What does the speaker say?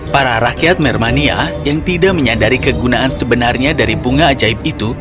para rakyat mermania yang tidak menyadari kegunaan sebenarnya dari bunga ajaib itu